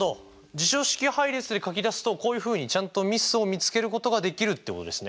辞書式配列で書き出すとこういうふうにちゃんとミスを見つけることができるってことですね。